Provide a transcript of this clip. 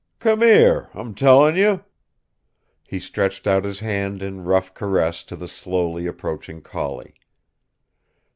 C'm here, I'm tellin' you!" He stretched out his hand in rough caress to the slowly approaching collie.